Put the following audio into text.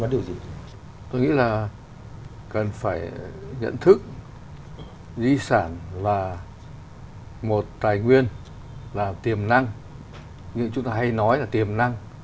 tôi nghĩ là cần phải nhận thức di sản là một tài nguyên là tiềm năng như chúng ta hay nói là tiềm năng